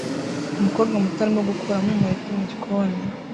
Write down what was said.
Umukobwa muto arimo gukuramo omelet mugikoni